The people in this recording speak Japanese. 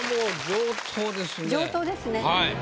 上等ですね。